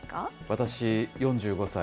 私、４５歳。